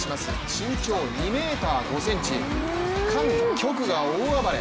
身長２ｍ５ｃｍ、カン・キョクが大暴れ。